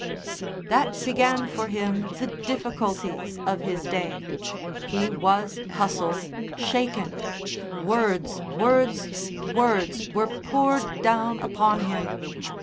That began for him the difficulties of his day. He was hustled, shaken; words, words, words were poured down upon him.